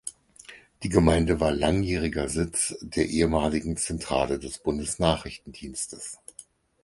Die Gemeinde war langjähriger Sitz der ehemaligen Zentrale des Bundesnachrichtendienstes.